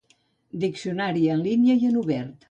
Diccionari en línia i en obert.